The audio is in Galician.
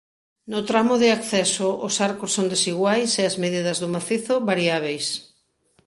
No tramo de acceso os arcos son desiguais e as medidas do macizo variábeis.